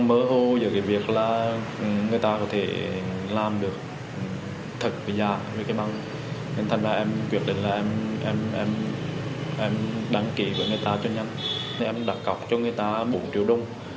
thạch quyết định là em đăng ký với người ta cho nhắn em đặt cọc cho người ta bốn triệu đồng